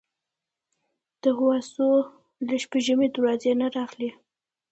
د حواسو له شپږمې دروازې نه راغلي.